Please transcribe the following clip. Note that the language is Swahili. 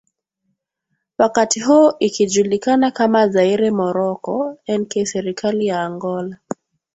wakati huo ikijulikana kama Zaire Moroko nk Serikali ya Angola